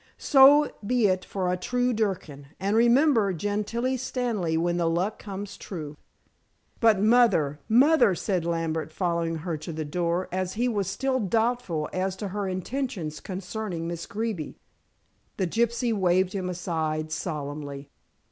"So be it for a true dukkerin, and remember Gentilla Stanley when the luck comes true." "But Mother, Mother," said Lambert, following her to the door, as he was still doubtful as to her intentions concerning Miss Greeby. The gypsy waved him aside solemnly.